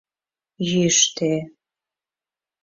Йӱштӧ...